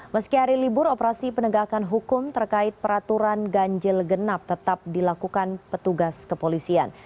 meski hari libur operasi penegakan hukum terkait peraturan ganjil genap tetap dilakukan petugas kepolisian